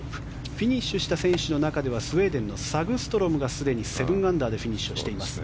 フィニッシュした選手の中ではスウェーデンのサグストロムがすでに７アンダーでフィニッシュ。